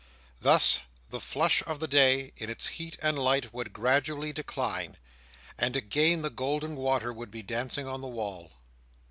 Thus, the flush of the day, in its heat and light, would gradually decline; and again the golden water would be dancing on the wall.